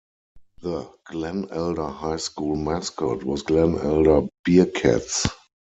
The Glen Elder High School mascot was Glen Elder Bearcats.